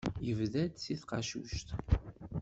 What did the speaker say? Yebda-d si tqacuct.